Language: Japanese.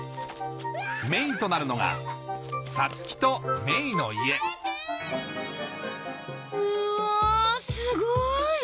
メインとなるのがサツキとメイの家うわすごい！